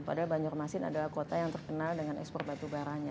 padahal banjurmasin adalah kota yang terkenal dengan ekspor batubaranya